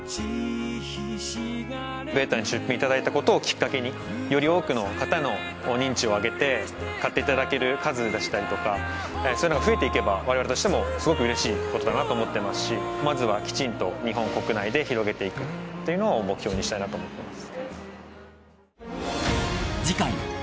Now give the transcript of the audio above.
ベータに出品いただいたことをきっかけにより多くの方の認知を上げて買っていただける数でしたりとかそういうのが増えていけば我々としてもすごくうれしいことだなと思ってますしまずはきちんと日本国内で広げていくというのを目標にしたいなと思ってます。